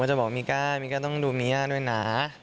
จะบอกมีก้ามีก้าต้องดูมีย่าด้วยนะ